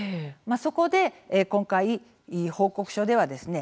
そこで今回、報告書ではですね